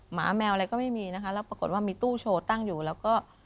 หมาแมวอะไรก็ไม่มีนะคะแล้วปรากฏว่ามีตู้โชว์ตั้งอยู่แล้วก็